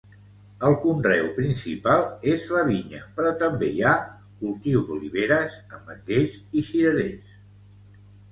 El conreu principal és la vinya, però també hi ha cultiu d'oliveres, ametllers i cirerers.